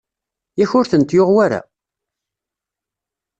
Yak ur tent-yuɣ wara?